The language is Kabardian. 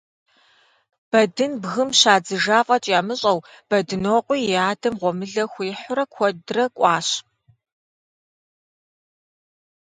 Бэдын бгым щадзыжа фӀэкӀ ямыщӀэу, Бэдынокъуи и адэм гъуэмылэ хуихьурэ куэдрэ кӀуащ.